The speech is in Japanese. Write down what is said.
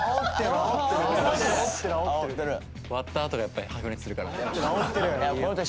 割ったあとがやっぱり白熱するからね。